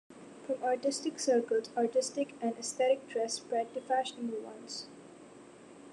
From artistic circles, artistic and aesthetic dress spread to fashionable ones.